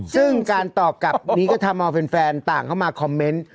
ซึ่งการตอบกลับนี้ก็ทำเอาแฟนต่างเข้ามาคอมเมนต์